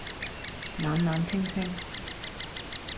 冷冷清清，